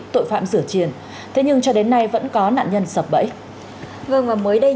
tội phạm sửa chiền thế nhưng cho đến nay vẫn có nạn nhân sập bẫy